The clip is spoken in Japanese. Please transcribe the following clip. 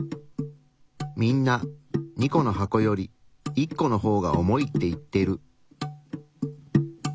みんな２個の箱より１個の方が重いって言ってる。